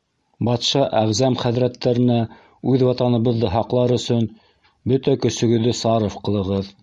— Батша әғзәм хәҙрәттәренә үҙ ватаныбыҙҙы һаҡлар өсөн... бөтә көсөгөҙҙө сарыф ҡылығыҙ.